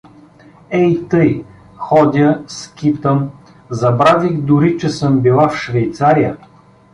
Ей тъй — ходя, скитам, забравих дори, че съм била в Швейцария.